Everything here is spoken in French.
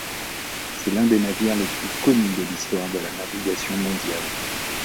C’est l’un des navires les plus connus de l’histoire de la navigation mondiale.